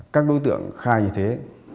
các đối tượng khai như thế